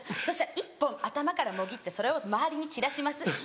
そしたら１本頭からもぎってそれを周りに散らします。